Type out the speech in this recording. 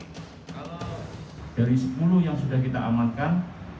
kalau dari sepuluh yang sudah kita amankan